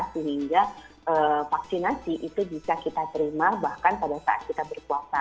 sehingga vaksinasi itu bisa kita terima bahkan pada saat kita berpuasa